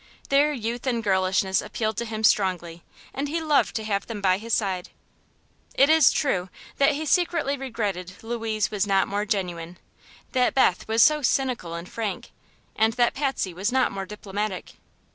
Their youth and girlishness appealed to him strongly, and he loved to have them by his side. It is true that he secretly regretted Louise was not more genuine, that Beth was so cynical and frank, and that Patsy was not more diplomatic.